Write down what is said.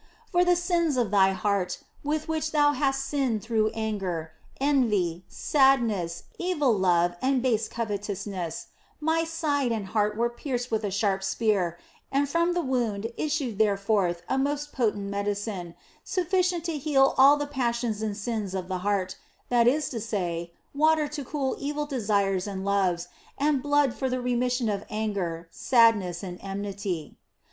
" For the sins of thy heart, with which thou hast sinned through anger, envy, sadness, evil love, and base covetous ness, My side and heart were pierced with a sharp spear, and from the wound issued there forth a most potent 2i 8 THE BLESSED ANGELA medicine, sufficient to heal all the passions and sins of the heart that is to say, water to cool evil desires and loves, and blood for the remission of anger, sadness, and enmity.